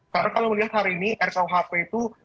karena kami melihat hari ini rkuhp itu